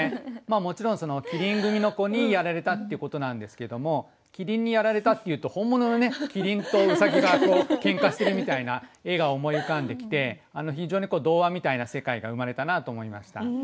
もちろんそのきりん組の子にやられたってことなんですけども「きりんにやられた」っていうと本物のねきりんとうさぎがけんかしてるみたいな絵が思い浮かんできて非常に童話みたいな世界が生まれたなと思いました。